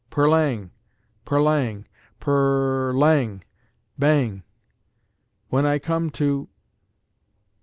per lang! per lang! p r r r r r r r lang! Bang!... When I come to....